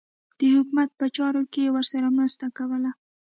د حکومت په چارو کې یې ورسره مرسته کوله.